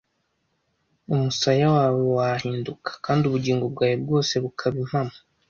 Umusaya wawe wahinduka, kandi ubugingo bwawe bwose bukaba impamo